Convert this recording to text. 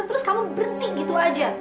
terus kamu berhenti gitu aja